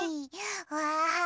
わあ！